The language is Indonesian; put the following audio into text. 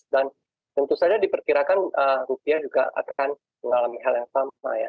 dan tentu saja diperkirakan rupiah juga akan mengalami hal yang sama ya